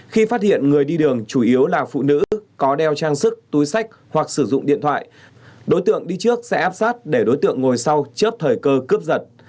khi phát hiện người đi đường chủ yếu là phụ nữ có đeo trang sức túi sách hoặc sử dụng điện thoại đối tượng đi trước sẽ áp sát để đối tượng ngồi sau chớp thời cơ cướp giật